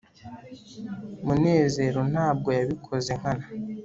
munezero ntabwo yabikoze nkana